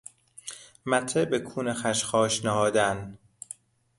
مته بکون خشخاش نهادن